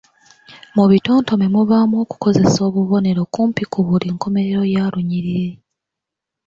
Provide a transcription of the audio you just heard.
Mu bitontome mubaamu okukozesa obubonero kumpi ku buli nkomerero ya lunyiriri